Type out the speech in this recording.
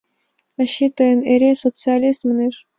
Ачий тыйым эре «социалист» манеш.